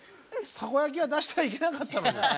たこ焼きは出したらいけなかったのに。